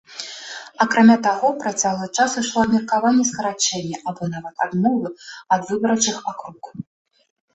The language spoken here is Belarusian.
Акрамя таго, працяглы час ішло абмеркаванне скарачэння або нават адмовы ад выбарчых акруг.